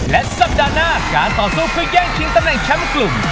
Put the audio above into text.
และสัปดาห์หน้าการต่อสู้คือแย่งชิงตำแหน่งแชมป์กลุ่ม